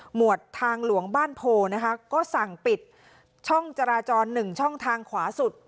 วดทางหลวงบ้านโพนะคะก็สั่งปิดช่องจราจร๑ช่องทางขวาสุด